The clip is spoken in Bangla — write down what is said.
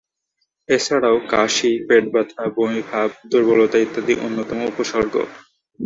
এছাড়াও, কাশি, পেট ব্যথা, বমি ভাব, দূর্বলতা ইত্যাদি অন্যতম উপসর্গ।